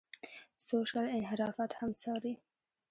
سوشل انحرافات هم څاري.